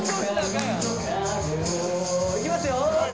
いきますよ！